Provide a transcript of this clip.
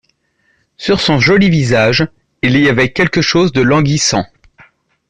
Sur son joli visage il y avait quelque chose de languissant.